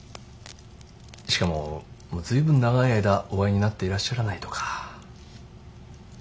しかももう随分長い間お会いになっていらっしゃらないとか。